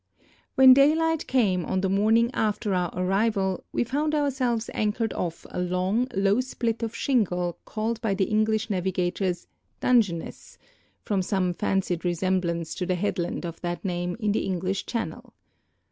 When daylight came on the morning after our arrival we found ourselves anchored off a long, low spit of shingle called by the English navigators " Dungeness," from some fancied resemblance to the headland of that name in the English channel.